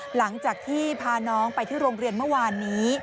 หลังจากที่พาน้องไปที่โรงเรียนเมื่อวานนี้